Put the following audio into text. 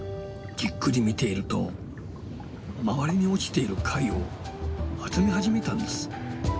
じっくり見ていると周りに落ちている貝を集め始めたんです。